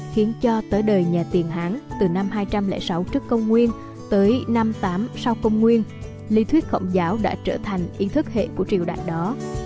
khiến cho tới đời nhà tiền hán từ năm hai trăm linh sáu trước công nguyên tới năm tám sau công nguyên lý thuyết khổng giáo đã trở thành yên thức hệ của triều đại đó